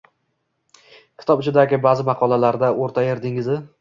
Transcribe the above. kitob ichidagi baʼzi maqolalarda oʻrtayer dengizi